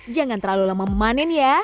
jangan terlalu lama memanen ya